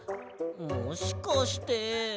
もしかして。